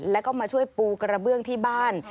แล้วก็มาช่วยปูกระเบื้องที่บ้าน